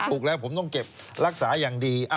ถูกแล้วผมต้องเก็บรักษาอย่างดี